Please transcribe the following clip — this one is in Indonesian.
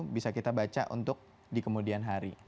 bisa kita baca untuk di kemudian hari